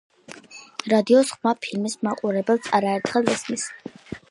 რადიოს ხმა ფილმის მაყურებელს არცერთხელ ესმის.